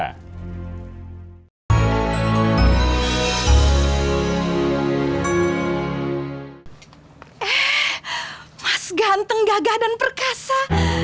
eh mas ganteng gagah dan perkasa